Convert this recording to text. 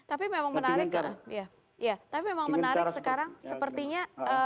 tapi memang menarik sekarang sepertinya